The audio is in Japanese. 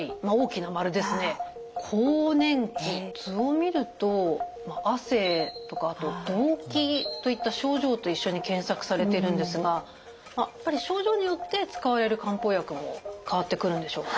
図を見ると「汗」とかあと「動悸」といった症状と一緒に検索されているんですがやっぱり症状によって使われる漢方薬も変わってくるんでしょうか？